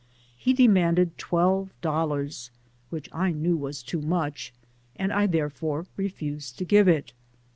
He demanded twelve dollars, which I knew was too much, and I therefore refused to give it.